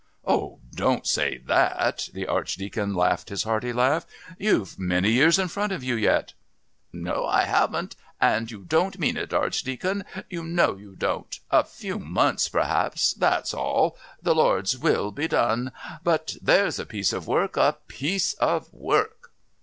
"Oh, don't say that!" The Archdeacon laughed his hearty laugh. "You've many years in front of you yet." "No, I haven't and you don't mean it, Archdeacon you know you don't. A few months perhaps that's all. The Lord's will be done. But there's a piece of work...a piece of work...."